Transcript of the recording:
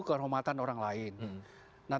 kehormatan orang lain nah